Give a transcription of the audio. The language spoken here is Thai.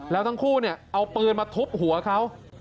แล้วทั้งคู่เนี่ยเอาปืนมาทุบหัวเขา